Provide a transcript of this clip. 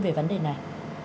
về vấn đề này